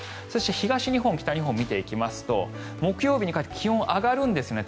そして東日本、北日本を見ていきますと木曜日にかけて気温上がるんです。